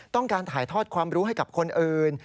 ต้องการถ่ายทอดความรู้ให้กับคนอื่น